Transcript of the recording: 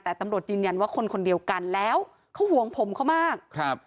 แต่ตำรวจยืนยันว่าคนคนเดียวกันแล้วเขาห่วงผมเขามากครับ